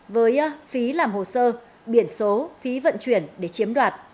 với phí làm hồ sơ biển số